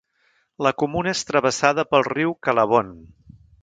La comuna és travessada pel riu Calavon.